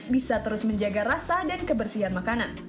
bisa terus menjaga rasa dan kebersihan makanan